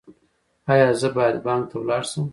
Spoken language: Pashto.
ایا زه باید بانک ته لاړ شم؟